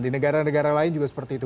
di negara negara lain juga seperti itu